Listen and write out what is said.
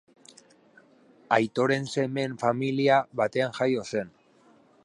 Aitoren semeen familia batean jaio zen.